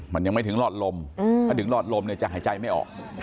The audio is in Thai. มันยังไม่ถึงหลอดลมถ้าถึงหลอดลมเนี่ยจะหายใจไม่ออก